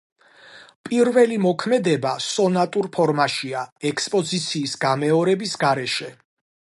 პირველი მოქმედება სონატურ ფორმაშია, ექსპოზიციის გამეორების გარეშე.